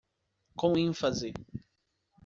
Com ênfase